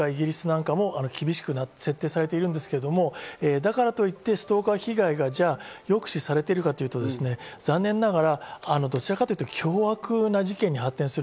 アメリカやイギリスなんかも厳しく設定されているんですけど、だからといってストーカー被害が、じゃあ、抑止されているかというと残念ながら、どちらかというと凶悪な事件に発展する。